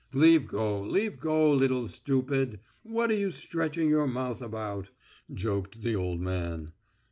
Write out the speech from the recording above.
"Leave go, leave go, little stupid. What are you stretching your mouth about?" joked the old man.